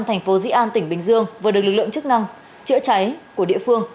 thành phố dĩ an tỉnh bình dương vừa được lực lượng chức năng chữa cháy của địa phương